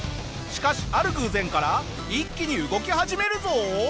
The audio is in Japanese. しかしある偶然から一気に動き始めるぞ。